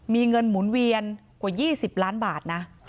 มีเงินหมุนเวียนกว่า๒๐ล้านบาทนะ